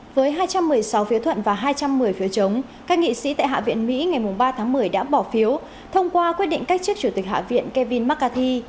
với hai trăm một mươi sáu phiếu thuận và hai trăm một mươi phiếu chống các nghị sĩ tại hạ viện mỹ ngày ba tháng một mươi đã bỏ phiếu thông qua quyết định cách chức chủ tịch hạ viện kevin mccarthy